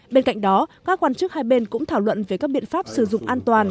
bên cạnh đó các quan chức hai bên cũng thảo luận về các biện pháp sử dụng an toàn